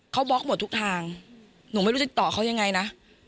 เขาบล็อกหมดทุกทางหนูไม่รู้ติดต่อเขายังไงนะ